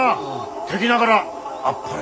敵ながらあっぱれ。